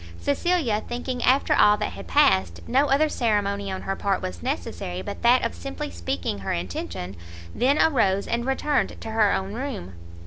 Cecilia, thinking after all that had passed, no other ceremony on her part was necessary but that of simply speaking her intention, then arose and returned to her own room.